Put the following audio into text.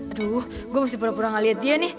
aduh gue masih pura pura gak liat dia nih